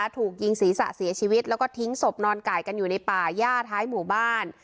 ถูกยิงศีรษะเสียชีวิตแล้วก็ทิ้งศพนอนไก่กันอยู่ในป่าย่าท้ายหมู่บ้าน